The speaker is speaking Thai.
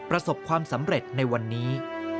ประสบความสำเร็จในวันนี้